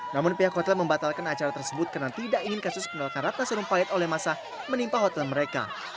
namun pihak hotel membatalkan acara tersebut karena tidak ingin kasus penolakan rata serum pahit oleh massa menimpa hotel mereka